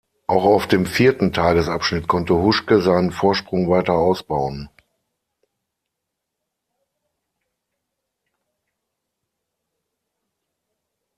Auch auf dem vierten Tagesabschnitt konnte Huschke seinen Vorsprung weiter ausbauen.